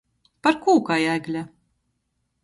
Parkū kai egle?